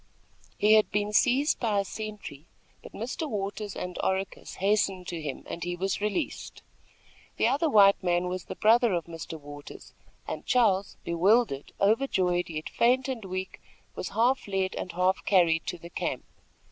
He had been seized by a sentry; but Mr. Waters and Oracus hastened to him, and he was released. The other white man was the brother of Mr. Waters, and Charles, bewildered, overjoyed, yet faint and weak, was half led and half carried to the camp.